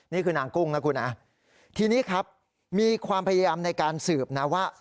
นี่คือนางกุ้งนะคุณนะทีนี้ครับมีความพยายามในการสืบนะว่า